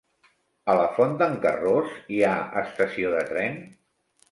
A la Font d'en Carròs hi ha estació de tren?